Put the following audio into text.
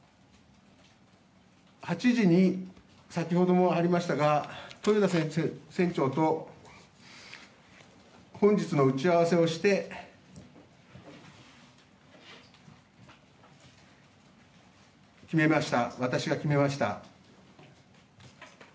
８時に、先ほどもありましたが豊田船長と本日の打ち合わせをして私が決めました。